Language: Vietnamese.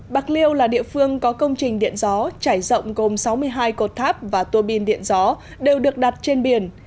bạc liêu là địa phương có công trình điện gió trải rộng gồm sáu mươi hai cột tháp và tuô bin điện gió đều được đặt trên biển